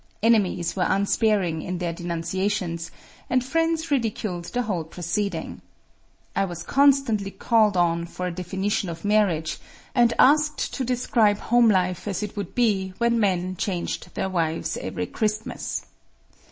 Enemies were unsparing in their denunciations, and friends ridiculed the whole proceeding. I was constantly called on for a definition of marriage and asked to describe home life as it would be when men changed their wives every Christmas.